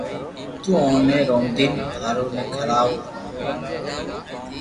تو اوني رودين ٽاٻرو ني کراو